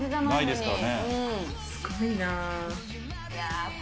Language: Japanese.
すごいな。